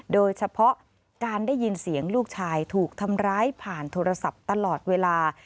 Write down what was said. โดยเฉพาะการได้ยินเสียงลูกชายถูกทำร้ายผ่านโทรศัพท์ตลอดเวลา